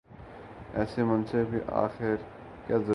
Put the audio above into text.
ایسے منصب کی آخر کیا ضرورت ہے؟